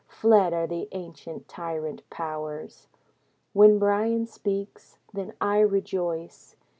Fled are the ancient tyrant powers. When Bryan speaks, then I rejoice.